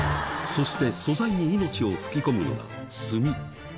そして、素材に命を吹き込むのが炭。